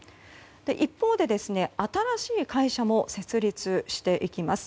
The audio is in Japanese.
一方で新しい会社も設立していきます。